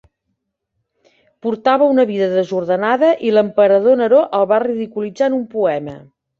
Portava una vida desordenada i l'emperador Neró el va ridiculitzar en un poema.